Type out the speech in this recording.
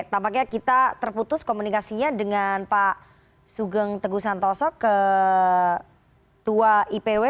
tampaknya kita terputus komunikasinya dengan pak sugeng teguh santoso ke tua ipw